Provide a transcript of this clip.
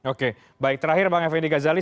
oke baik terakhir bang effendi ghazali